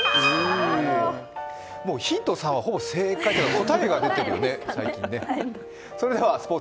もうヒント３はほぼ正解というか答えが出てるよね、最近。